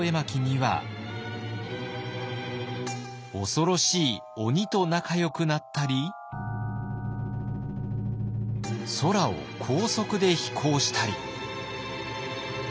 恐ろしい鬼と仲よくなったり空を高速で飛行したり。